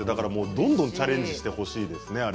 どんどんチャレンジしてほしいですよね。